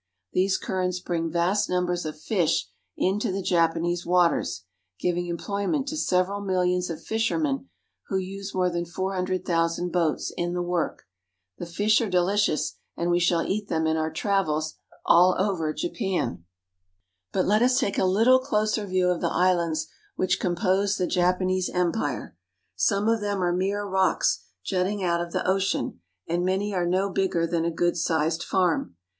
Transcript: These currents bring vast numbers pf fish into the Japanese waters, giving employment to several millions of fishermen, who use more than four hundred thousand boats in the work. The fish are delicious, and we shall eat them in our travels all over Japan. But let us take a little closer view of the islands which compose the Japanese Empire. Some of them are mere rocks jutting out of the ocean, and many are no bigger than a good sized farm.